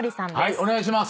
お願いします。